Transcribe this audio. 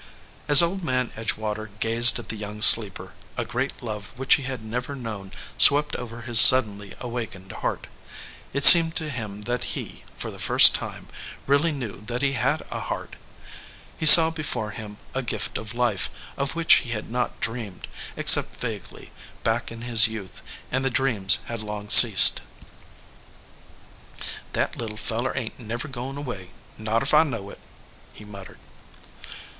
As Old Man Edgewater gazed at the young sleeper, a great love which he had never known swept over his suddenly awakened heart. It seemed to him that he, for the first time, really 124 THE FLOWERING BUSH knew that he had a heart. He saw before him a gift of life of which he had not dreamed, except vaguely, back in his youth, and the dreams had long ceased. "That little feller ain t never goin away, not if I know it," he muttered.